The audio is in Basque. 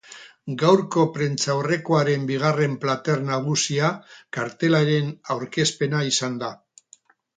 Gaurko prentsaurrekoaren bigarren plater nagusia kartelaren aurkezpena izan da.